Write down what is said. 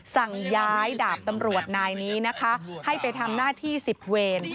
สั่งย้ายดาบตำรวจนายนี้นะคะให้ไปทำหน้าที่๑๐เวร